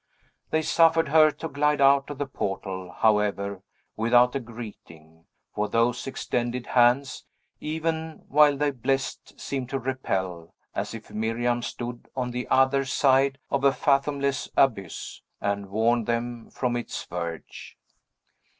They suffered her to glide out of the portal, however, without a greeting; for those extended hands, even while they blessed, seemed to repel, as if Miriam stood on the other side of a fathomless abyss, and warned them from its verge.